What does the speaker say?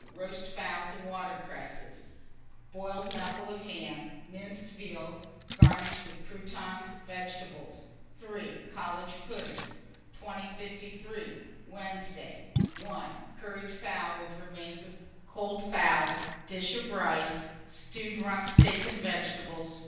Roast fowls and water cresses, boiled knuckle of ham, minced veal garnished with croutons; vegetables. 3. College puddings. 2053. Wednesday. 1. Curried fowl with remains of cold fowl; dish of rice, stewed rump steak and vegetables.